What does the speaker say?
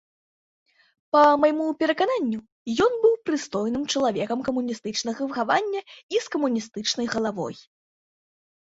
Па майму перакананню, ён быў прыстойным чалавекам камуністычнага выхавання і з камуністычнай галавой.